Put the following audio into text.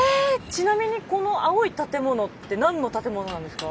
⁉ちなみにこの青い建物って何の建物なんですか？